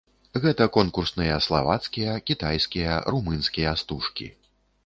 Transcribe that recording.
Гэтая конкурсныя славацкія, кітайскія, румынскія стужкі.